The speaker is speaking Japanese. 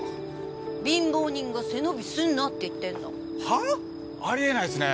貧乏人が背伸びすんなって言ってんの！は⁉あり得ないっすね。